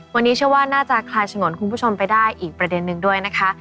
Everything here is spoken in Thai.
วันนี้เชื่อว่าน่าจะคลายฉงนคุณผู้ชมไปได้อีกประเด็นนึงด้วยนะคะ